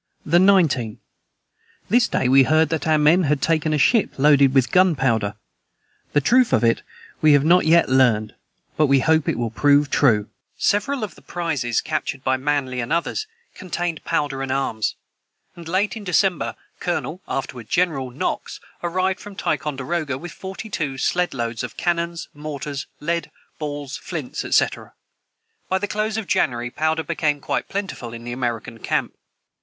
the 19. This day we heard that our men had taken a Ship Loaded with Gunpowder the truth of it we have not yet Learned but we hope it will prove true. [Footnote 205: Several of the prizes captured by Manly and others contained powder and arms; and late in December, Colonel (afterward General) Knox arrived from Ticonderoga with forty two sled loads of cannons, mortars, lead, balls, flints, &c. By the close of January, powder became quite plentiful in the American camp.